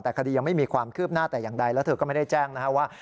แต่คดียังไม่มีความคืบหน้าแต่อย่างใดแล้วเธอก็ไม่ได้แจ้งนะครับว่า